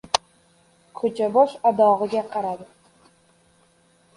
Ko‘cha bosh-adog‘iga qaradi.